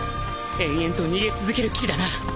延々と逃げ続ける気だな